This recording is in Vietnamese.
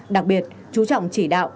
đặc biệt chú trọng chỉ đạo